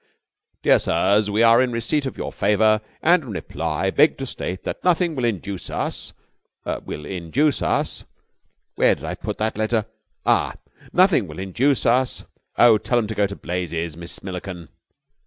"Dear Sirs: We are in receipt of your favour and in reply beg to state that nothing will induce us ... will induce us ... where did I put that letter? Ah! ... nothing will induce us ... oh, tell 'em to go to blazes, Miss Milliken."